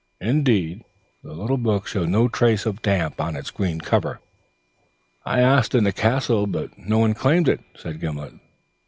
Indeed, the little book showed no trace of damp on its green cover. "I asked in the castle, but no one claimed it," said Gimblet.